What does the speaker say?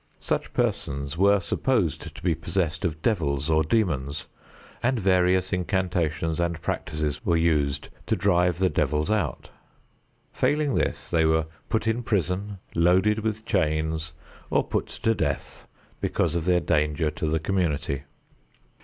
Such persons were supposed to be possessed of devils or demons, and various incantations and practices were used to drive the devils out. Failing in this they were put in prison, loaded with chains or put to death because of their danger to the community.